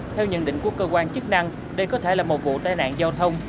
theo nhận định của cơ quan chức năng đây có thể là một vụ tai nạn giao thông